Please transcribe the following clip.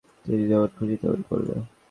তো তুমি যেমন খুশি তেমন করবে?